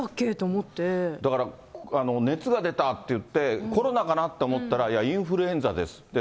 だから熱が出たっていって、コロナかなと思ったら、いや、インフルエンザですって。